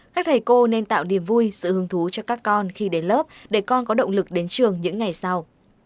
các thầy cô nên tạo niềm vui sự hứng thú cho các con khi đến lớp để con có động lực đến trường những ngày sau